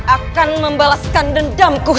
akan membalaskan dendamku